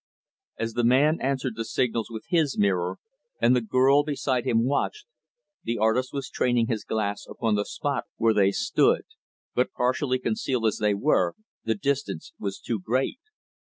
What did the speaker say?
As the man answered the signals with his mirror, and the girl beside him watched, the artist was training his glass upon the spot where they stood; but, partially concealed as they were, the distance was too great.